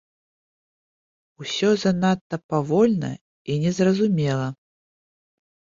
Усё занадта павольна і незразумела.